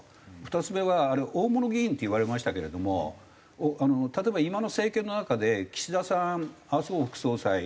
２つ目は「大物議員」って言われましたけれども例えば今の政権の中で岸田さん麻生副総裁茂木幹事長。